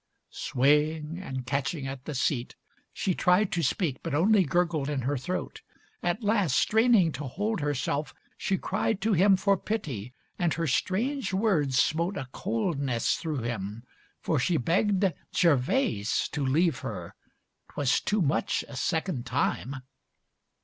XLVII Swaying and catching at the seat, she tried To speak, but only gurgled in her throat. At last, straining to hold herself, she cried To him for pity, and her strange words smote A coldness through him, for she begged Gervase To leave her, 'twas too much a second time.